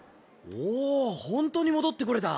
おおほんとに戻ってこれた。